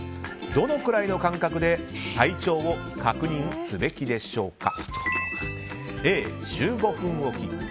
どのくらいの感覚で体調確認をすべきでしょうか？